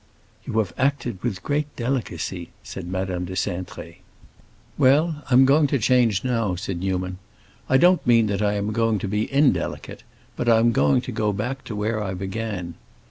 "You have acted with great delicacy," said Madame de Cintré. "Well, I'm going to change now," said Newman. "I don't mean that I am going to be indelicate; but I'm going to go back to where I began.